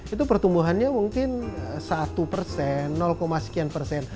itu pertumbuhannya mungkin satu persen sekian persen